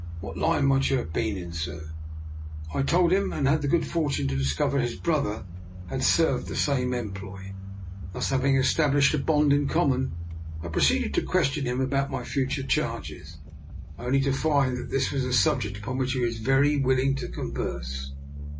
What line might you have been in, sir? " I told him, and had the good fortune to discover that his brother had served the same employ. Having thus established a bond in common, I proceeded to question him about my future charges; only to find that this was a subject upon which he was very willing to converse.